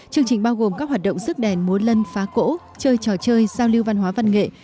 chương trình bao gồm các hoạt động rước đèn múa lân phá cỗ chơi trò chơi giao lưu văn hóa văn nghệ